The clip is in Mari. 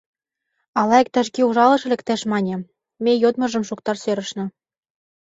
Ала иктаж-кӧ ужалыше лектеш, манеМе йодмыжым шукташ сӧрышна.